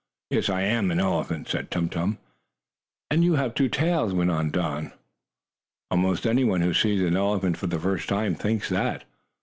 "Yes, I am an elephant," said Tum Tum. "And you have two tails," went on Don. Almost anyone who sees an elephant for the first time thinks that.